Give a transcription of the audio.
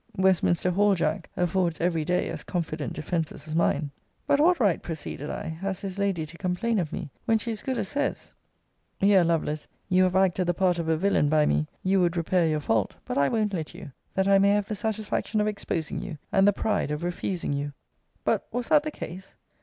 Westminster hall, Jack, affords every day as confident defences as mine. But what right, proceeded I, has this lady to complain of me, when she as good as says Here, Lovelace, you have acted the part of a villain by me! You would repair your fault: but I won't let you, that I may have the satisfaction of exposing you; and the pride of refusing you. But, was that the case?